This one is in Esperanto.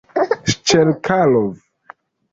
Ŝĉelkalov!